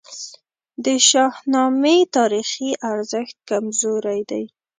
د شاهنامې تاریخي ارزښت کمزوری دی.